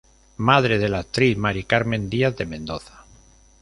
Madre de la actriz Mari Carmen Díaz de Mendoza.